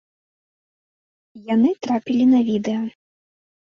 Яны трапілі на відэа.